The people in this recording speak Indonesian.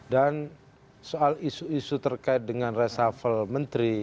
dan soal isu isu terkait dengan resafel menteri